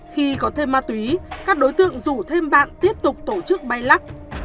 khi có thêm ma túy các đối tượng rủ thêm bạn tiếp tục tổ chức bay lắc